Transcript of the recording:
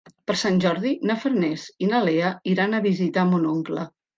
Per Sant Jordi na Farners i na Lea iran a visitar mon oncle.